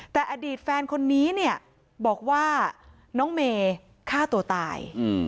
แต่อดีตแฟนคนนี้เนี่ยบอกว่าน้องเมย์ฆ่าตัวตาย